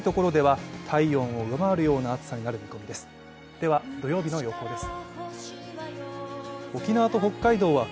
では土曜日の予報です。